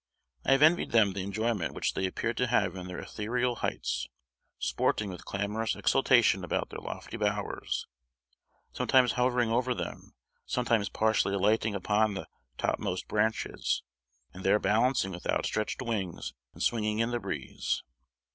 I have envied them the enjoyment which they appear to have in their ethereal heights, sporting with clamorous exultation about their lofty bowers; sometimes hovering over them, sometimes partially alighting upon the topmost branches, and there balancing with outstretched wings, and swinging in the breeze.